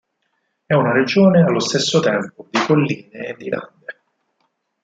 È una regione allo stesso tempo di colline e di lande.